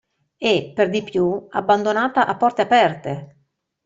E, per di più, abbandonata a porte aperte!